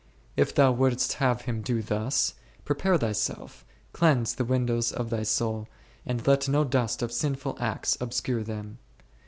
If thou wouldst have Him do thus, prepare thyself, cleanse the windows of thy soul, and let no dust of sinful acts obscure them.